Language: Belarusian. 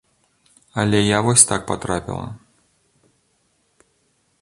Але я вось так патрапіла.